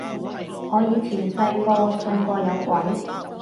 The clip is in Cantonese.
我以前細個信過有鬼